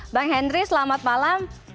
bang henry selamat malam